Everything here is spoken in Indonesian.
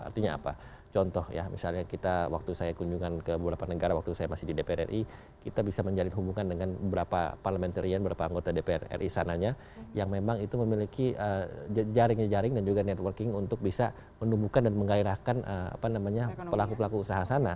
artinya apa contoh ya misalnya kita waktu saya kunjungan ke beberapa negara waktu saya masih di dpr ri kita bisa menjalin hubungan dengan beberapa parliamentaryan beberapa anggota dpr ri sananya yang memang itu memiliki jaring jaring dan juga networking untuk bisa menumbuhkan dan menggairahkan pelaku pelaku usaha sana